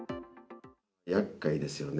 やっかいですよね。